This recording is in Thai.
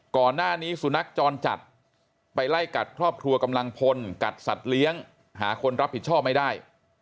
ก่อนหน้านี้สุนัขจรจัดไปไล่กัดครอบครัวกำลังพลกัดสัตว์เลี้ยงหาคนรับผิดชอบไม่ได้